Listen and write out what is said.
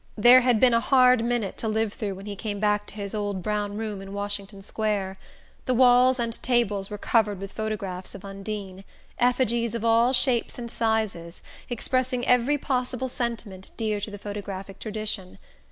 There had been a hard minute to live through when he came back to his old brown room in Washington Square. The walls and tables were covered with photographs of Undine: effigies of all shapes and sizes, expressing every possible sentiment dear to the photographic tradition.